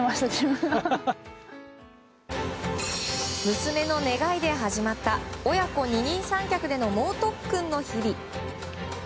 娘の願いで始まった親子二人三脚での猛特訓の日々。